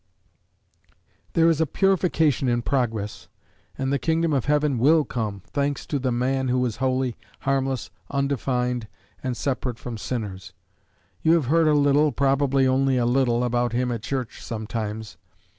There is a purification in progress, and the kingdom of heaven will come, thanks to the Man who was holy, harmless, undefined, and separate from sinners. You have heard a little, probably only a little, about him at church sometimes.